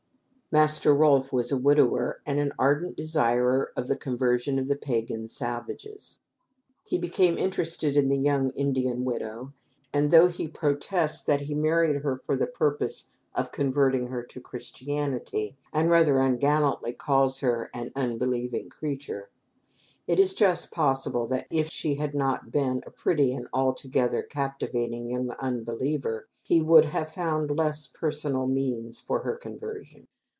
Master Rolfe was a widower and an ardent desirer of "the conversion of the pagan salvages." He became interested in the young Indian widow, and though he protests that he married her for the purpose of converting her to Christianity, and rather ungallantly calls her "an unbelieving creature," it is just possible that if she had not been a pretty and altogether captivating young unbeliever he would have found less personal means for her conversion.